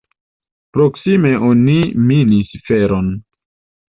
Proksime oni minis feron.